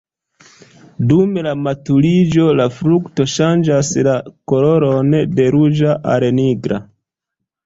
Dum la maturiĝo la frukto ŝanĝas la koloron de ruĝa al nigra.